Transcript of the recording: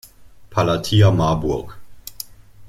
Palatia Marburg.